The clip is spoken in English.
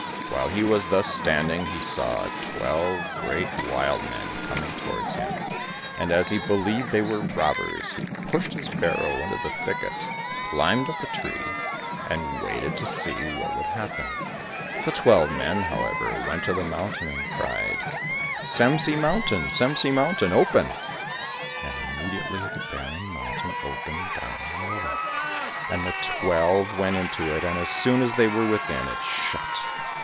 While he was thus standing he saw twelve great, wild men coming towards him, and as he believed they were robbers he pushed his barrow into the thicket, climbed up a tree, and waited to see what would happen. The twelve men, however, went to the mountain and cried, "Semsi mountain, Semsi mountain, open," and immediately the barren mountain opened down the middle, and the twelve went into it, and as soon as they were within, it shut.